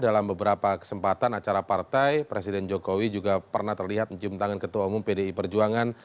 dalam beberapa kesempatan acara partai presiden jokowi juga pernah terlihat mencium tangan ketua umum pdi perjuangan